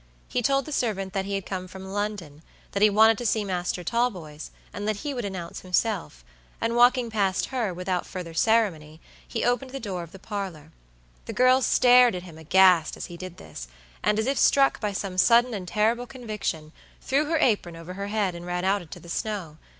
He told the servant that he had come from London, that he wanted to see Master Talboys, and that he would announce himself; and walking past her, without further ceremony he opened the door of the parlor. The girl stared at him aghast as he did this; and as if struck by some sudden and terrible conviction, threw her apron over her head and ran out into the snow.